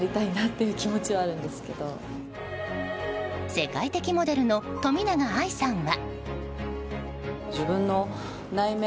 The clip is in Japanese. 世界的モデルの冨永愛さんは。